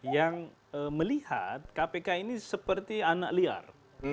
yang melihat kpk ini seperti anak liar